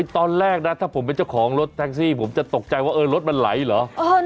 ตอนแรกนะถ้าผมเป็นเจ้าของรถแท็กซี่ผมจะตกใจว่ารถมันไหลเหรอ